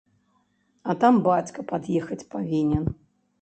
А там бацька пад'ехаць павінен.